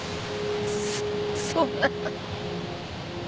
そそんな。